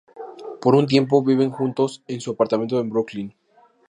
Por un tiempo, viven juntos en su apartamento en Brooklyn.